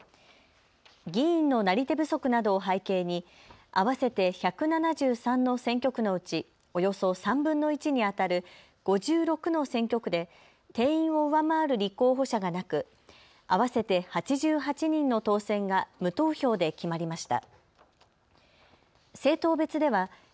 議員のなり手不足などを背景に合わせて１７３の選挙区のうちおよそ３分の１にあたる５６の選挙区で定員を上回る立候補者がなく合わせて８８人の当選が無投票で決まりました。